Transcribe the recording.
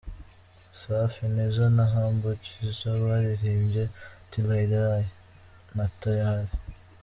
Safi, Nizzo na Humble Jizzo baririmbye ’Till I Die’ na ’Tayali’.